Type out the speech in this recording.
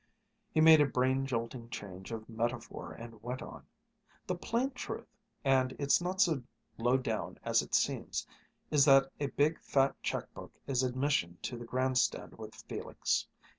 He made a brain jolting change of metaphor and went on: "The plain truth, and it's not so low down as it seems, is that a big fat check book is admission to the grandstand with Felix.